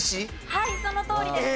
はいそのとおりです。